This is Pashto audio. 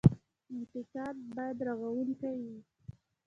انتقاد باید رغونکی وي